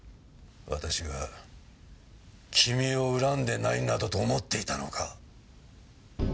私が君を恨んでないなどと思っていたのか？